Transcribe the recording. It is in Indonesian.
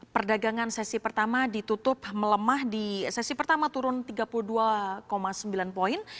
perdagangan sesi pertama ditutup melemah di sesi pertama turun tiga puluh dua sembilan poin